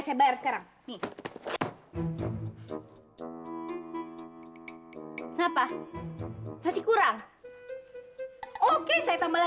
serahin tas lo